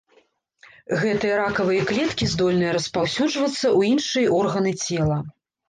Гэтыя ракавыя клеткі здольныя распаўсюджвацца ў іншыя органы цела.